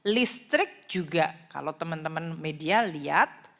listrik juga kalau teman teman media lihat